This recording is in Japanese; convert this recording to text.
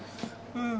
うん